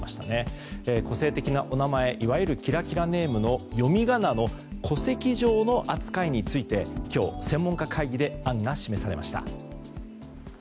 個性的なお名前いわゆるキラキラネームの読み仮名の戸籍上の扱いについて今日、専門家会議で案が示されました。